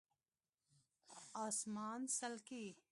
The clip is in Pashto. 🦇 اسمان څلکي